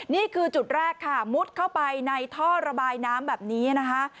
นี่คือจุดแรกค่ะมุดเข้าไปในท่อระบายน้ำแบบนี้นะคะ